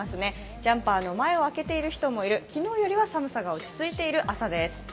ジャンパーの前を開けている人もいる、昨日よりも寒さは落ち着いている朝です。